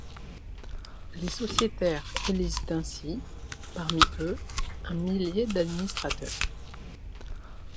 Les sociétaires élisent ainsi, parmi eux, un millier d'administrateurs.